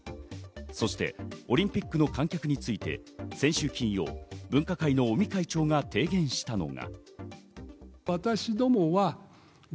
そしてオリンピックの観客について先週金曜、分科会の尾身会長が提言したのが。